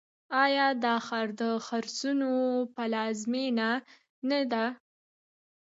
آیا دا ښار د خرسونو پلازمینه نه ده؟